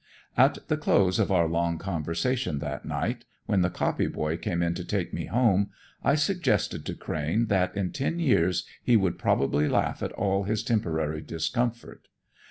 At the close of our long conversation that night, when the copy boy came in to take me home, I suggested to Crane that in ten years he would probably laugh at all his temporary discomfort.